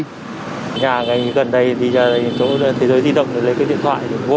nhà gần đây thế giới di động lấy cái điện thoại vội quá